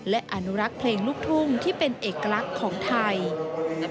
และอนุรักษ์เพลงลูกทุ่งที่เป็นเอกลักษณ์ของไทย